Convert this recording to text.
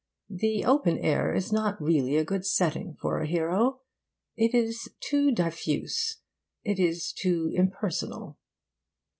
The open air is not really a good setting for a hero. It is too diffuse. It is too impersonal.